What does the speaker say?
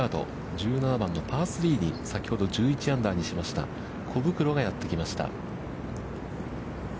１７番のパー３に、先ほど１１アンダーにしました小袋がやってきました。